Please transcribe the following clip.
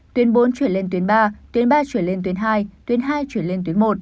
tuyến bốn chuyển lên tuyến ba tuyến ba chuyển lên tuyến hai tuyến hai chuyển lên tuyến một